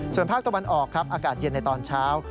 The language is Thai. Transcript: ส่วนภาคตะวันออกครับอากาศเย็นในตอนเช้า